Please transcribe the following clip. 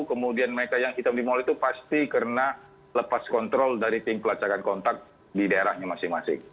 kemudian mereka yang hitam di mal itu pasti karena lepas kontrol dari tim pelacakan kontak di daerahnya masing masing